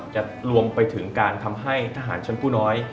จะรวมไปถึงการทำให้ทหารชั้นผู้น้อย